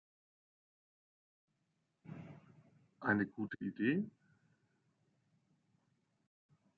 Eine gute Idee?